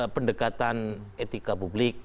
pendekatan etika publik